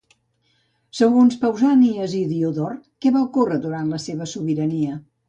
Segons Pausànies i Diodor, què va ocórrer durant la seva sobirania?